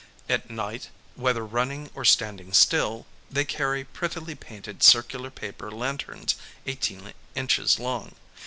At night, whether running or standing still, they carry prettily painted circular paper lanterns 18 inches long.